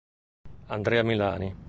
Andrea Milani